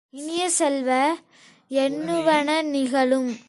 இனிய செல்வ, எண்ணுவன நிகழும்!